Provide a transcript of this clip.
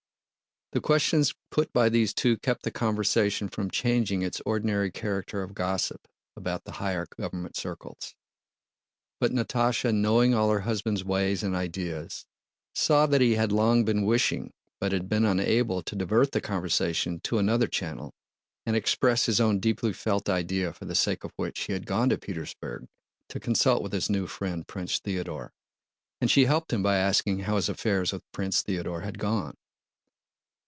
The questions put by these two kept the conversation from changing its ordinary character of gossip about the higher government circles. But Natásha, knowing all her husband's ways and ideas, saw that he had long been wishing but had been unable to divert the conversation to another channel and express his own deeply felt idea for the sake of which he had gone to Petersburg to consult with his new friend Prince Theodore, and she helped him by asking how his affairs with Prince Theodore had gone.